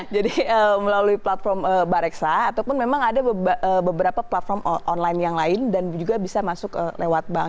jadi melalui platform bareksa ataupun memang ada beberapa platform online yang lain dan juga bisa masuk lewat bank